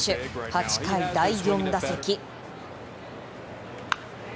８回、第４打席。